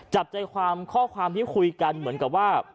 จับใจความข้อความที่คุยกันเหมือนกับว่า